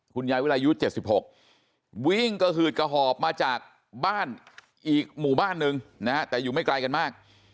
คุณยายวิรายุ๗๖วิ่งกระหืดกระหอบมาจากบ้านอีกหมู่บ้านหนึ่งนะฮะแต่อยู่ไม่ไกลกันมาก